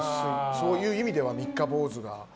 そういう意味では３日坊主が多い。